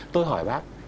tôi hỏi bác